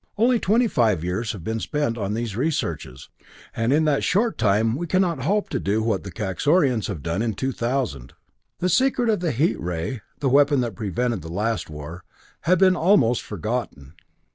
Only twenty five years have been spent on these researches, and in that short time we cannot hope to do what the Kaxorians have done in two thousand. "The secret of the heat ray, the weapon that prevented the last war, had been almost forgotten.